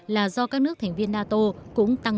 là do các nước thành viên nato cũng tăng